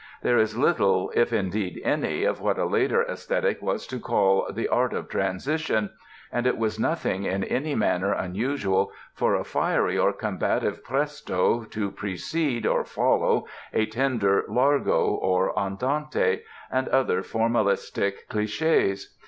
There is little, if indeed any, of what a later esthetic was to call "the art of transition" and it was nothing in any manner unusual for a fiery or combative presto to precede (or follow) a tender largo or andante, and other formalistic clichés.